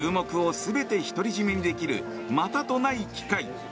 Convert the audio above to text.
注目を全て独り占めにできるまたとない機会。